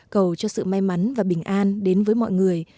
cầu cho sự may mắn và bình an đến với mọi người